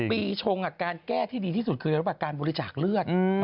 ปีชงการแก้ที่ดีที่สุดคือระหว่างการบริจาคเลือด